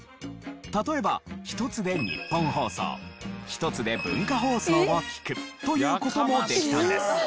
例えば１つでニッポン放送１つで文化放送を聴くという事もできたんです。